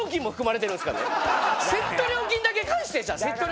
セット料金だけ返してじゃあ。